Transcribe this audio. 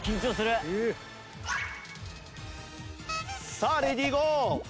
さあレディーゴー！